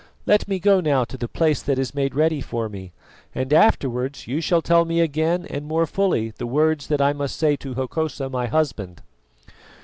Let me go now to the place that is made ready for me, and afterwards you shall tell me again and more fully the words that I must say to Hokosa my husband."